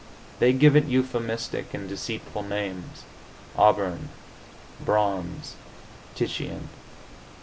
They give it euphemistic and deceitful names auburn, bronze, Titian.